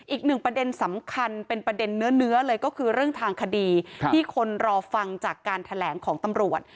อีกหนึ่งประเด็นสำคัญเป็นประเด็นเนื้อเลยก็คือเรื่องทางคดีที่คนรอฟังจากการแถลงของตำรวจ